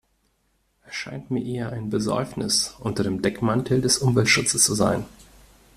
Es scheint mir eher ein Besäufnis unter dem Deckmantel des Umweltschutzes zu sein.